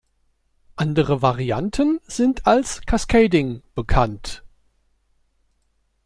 Andere Varianten sind als cascading bekannt.